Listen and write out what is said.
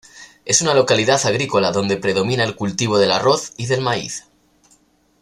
Es una localidad agrícola, donde predomina el cultivo del arroz y del maíz.